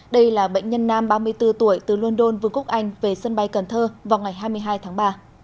đây là bệnh nhân nam ba mươi bốn tuổi từ london vương quốc anh về sân bay cần thơ vào ngày hai mươi hai tháng ba